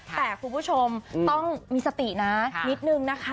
แต่คุณผู้ชมต้องมีสตินะนิดนึงนะคะ